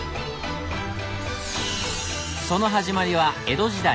その始まりは江戸時代。